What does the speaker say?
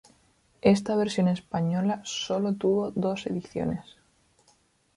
Esta versión española sólo tuvo dos ediciones.